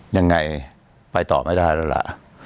ยังไงไปต่อไม่ได้แล้วล่ะ